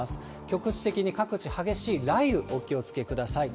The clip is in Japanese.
局地的に各地、激しい雷雨、お気をつけください。